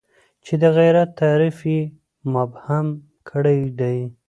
چې د غیرت تعریف یې مبهم کړی دی.